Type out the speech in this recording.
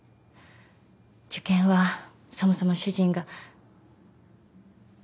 受験はそもそも主人が。